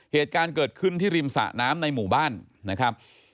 เหตุการณ์เกิดขึ้นที่ริมสะน้ำในหมู่บ้านนะครับ